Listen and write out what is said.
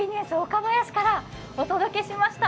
ばやしからお届けしました。